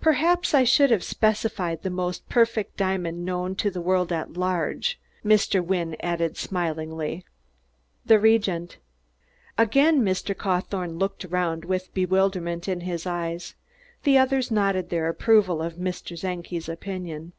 "Perhaps I should have specified the most perfect diamond known to the world at large," Mr. Wynne added smilingly. "The Regent." Again Mr. Cawthorne looked around, with bewilderment in his eyes. The others nodded their approval of Mr. Czenki's opinion.